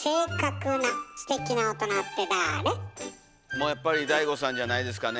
もうやっぱりＤＡＩＧＯさんじゃないですかね。